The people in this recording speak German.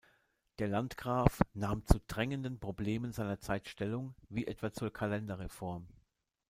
Der Landgraf nahm zu drängenden Problemen seiner Zeit Stellung, wie etwa zur Kalenderreform.